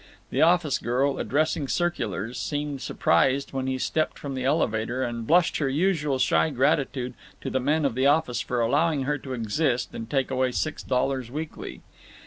The office girl, addressing circulars, seemed surprised when he stepped from the elevator, and blushed her usual shy gratitude to the men of the office for allowing her to exist and take away six dollars weekly.